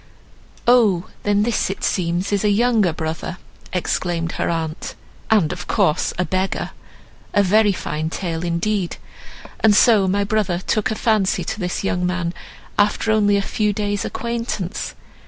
"Oh, then, this it seems is a younger brother," exclaimed her aunt, "and of course a beggar. A very fine tale indeed! And so my brother took a fancy to this young man after only a few days acquaintance!